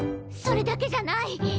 それだけじゃない！